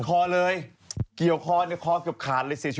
เหรอครับเกียวคอไล่คอเเกือบขาดเลย